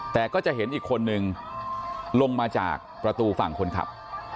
แต่ก็จะเห็นอีกคนนึงลงมาจากประตูฝั่งคนขับ